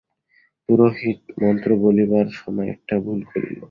পুরোহিত মন্ত্র বলিবার সময় একটা ভুল করিল।